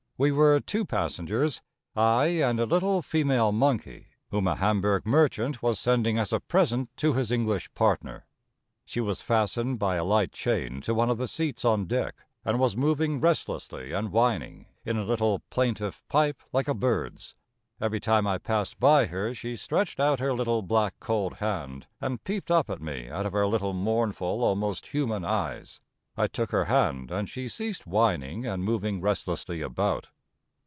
We were two passengers ; I and a little female monkey, whom a Hamburg merchant was sending as a present to his English partner. She was fastened by a light chain to one of the seats on deck, and was moving restlessly and whining in a little plaintive pipe like a bird's. Every time I passed by her she stretched out her little, black, cold hand, and peeped up at me out of her little mournful, almost human eyes. I took her hand, and she ceased whining and moving restlessly about.